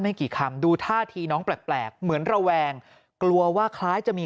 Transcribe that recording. กี่คำดูท่าทีน้องแปลกเหมือนระแวงกลัวว่าคล้ายจะมี